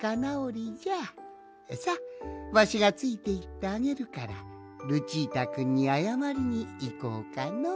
さわしがついていってあげるからルチータくんにあやまりにいこうかのう。